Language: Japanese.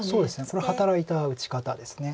これは働いた打ち方です。